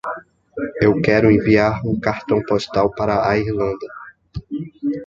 Eu quero enviar um cartão postal para a Irlanda.